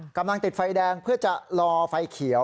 กำลังติดไฟแดงเพื่อจะรอไฟเขียว